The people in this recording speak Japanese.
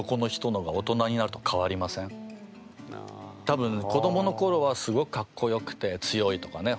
多分子どものころはすごくカッコよくて強いとかね